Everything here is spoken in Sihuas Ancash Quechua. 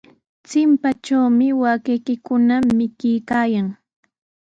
Chimpatrawmi waakaykikuna mikuykaayan.